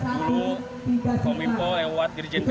dulu komipo lewat gerjen ppi